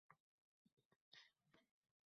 Bobur kim desa, vatanini tashlab ketgan.